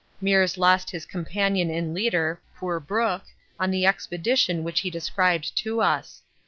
Meares lost his companion and leader, poor Brook, on the expedition which he described to us.